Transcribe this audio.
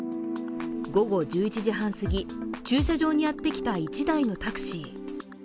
午後１１時半すぎ、駐車場にやってきた１台のタクシー。